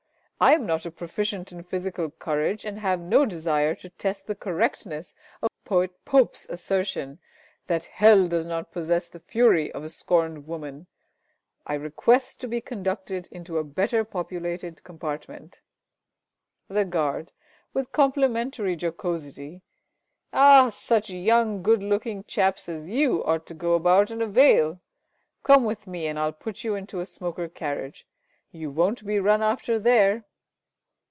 I am not a proficient in physical courage, and have no desire to test the correctness of Poet POPE'S assertion, that Hell does not possess the fury of a scorned woman. I request to be conducted into a better populated compartment. The Guard (with complimentary jocosity). Ah, such young good looking chaps as you ought to go about in a veil. Come with me, and I'll put you into a smoker carriage. You won't be run after there!